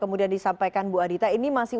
kemudian disampaikan bu adita ini masih